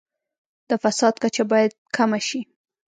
د فساد کچه باید کمه شي.